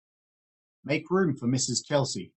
Make room for Mrs. Chelsea.